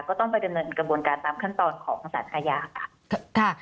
ก็ต้องไปดำเนินกระบวนการตามขั้นตอนของสารอาญาค่ะ